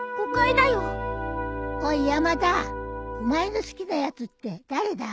おい山田お前の好きなやつって誰だ？